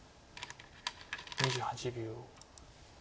２８秒。